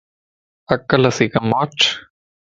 عقل سين ڪم وٺ